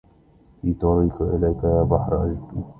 في طريقي إليك يا بحر أشدو